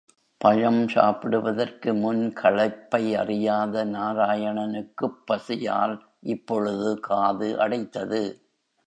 பழம் சாப்பிடுவதற்கு முன், களைப்பையறியாத நாராயணனுக்குப் பசியால் இப்பொழுது காது அடைத்தது.